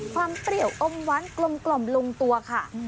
เปรี้ยวอมหวานกลมลงตัวค่ะ